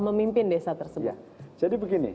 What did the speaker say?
memimpin desa tersebut jadi begini